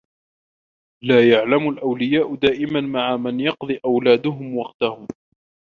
لا يعلم الأولياء دائما مع من يقضي أولادهم وقتهم.